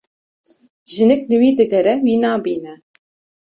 Jinik li wî digere wî nabîne.